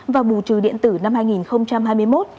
và bù trừ điện tử năm hai nghìn hai mươi một